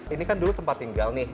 ini kan dulu tempat tinggal nih